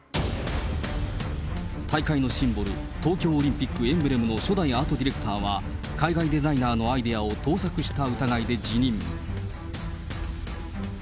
大会のシンボル、東京オリンピックエンブレム初代アートディレクターは、海外デザイナーのアイデアを盗作した疑いで辞任。